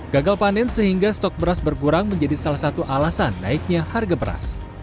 gagal panen sehingga stok beras berkurang menjadi salah satu alasannya